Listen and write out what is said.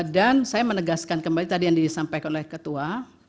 dan saya menegaskan kembali tadi yang disampaikan oleh ketua